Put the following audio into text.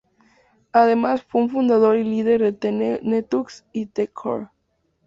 Además fue el fundador y líder de The Nexus y The Corre.